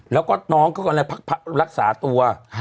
แล้วก็น้องก็กำลังไปรักษาตัว